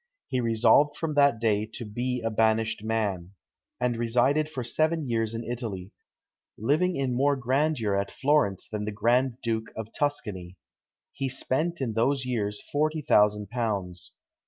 He resolved from that day to "be a banished man," and resided for seven years in Italy, living in more grandeur at Florence than the Grand Duke of Tuscany. He spent in those years forty thousand pounds.